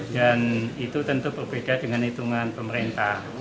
dan itu tentu berbeda dengan hitungan pemerintah